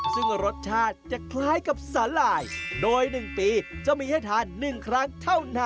ซึ่งรสชาติจะคล้ายกับสาหร่ายโดย๑ปีจะมีให้ทาน๑ครั้งเท่านั้น